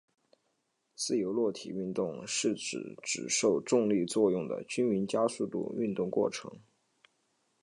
自由落体运动是指只受重力作用的均匀加速度运动过程。